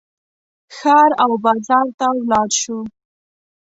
ښار او بازار ته ولاړ شو.